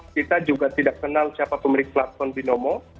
kita juga tidak kenal siapa pemilik platform binomo